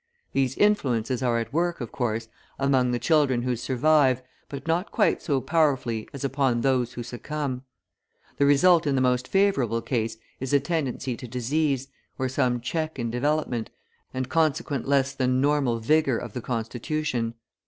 These influences are at work, of course, among the children who survive, but not quite so powerfully as upon those who succumb. The result in the most favourable case is a tendency to disease, or some check in development, and consequent less than normal vigour of the constitution.